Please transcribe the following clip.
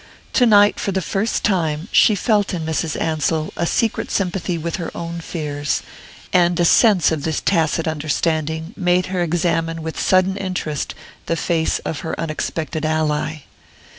To night for the first time she felt in Mrs. Ansell a secret sympathy with her own fears; and a sense of this tacit understanding made her examine with sudden interest the face of her unexpected ally....